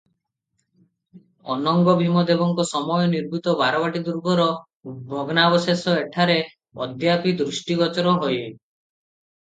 ଅନଙ୍ଗଭୀମଦେବଙ୍କ ସମୟ ନିର୍ମିତ ବାରବାଟୀ ଦୁର୍ଗର ଭଗ୍ନାବଶେଷ ଏଠାରେ ଅଦ୍ୟାପି ଦୃଷ୍ଟିଗୋଚର ହୁଅଇ ।